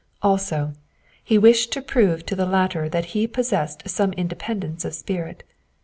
Also, he wished to prove to the latter that he possessed some independence of spirit.